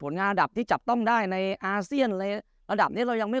งานอันดับที่จับต้องได้ในอาเซียนอะไรระดับนี้เรายังไม่